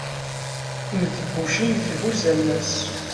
mm tebbucin thuzz ammas